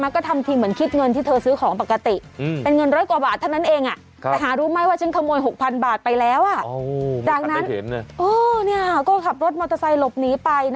ก็ทำทีเหมือนคิดเงินที่เธอซื้อของปกติ